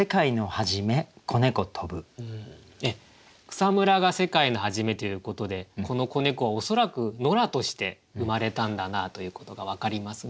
「草叢が世界の初め」ということでこの子猫は恐らく野良として生まれたんだなということが分かりますね。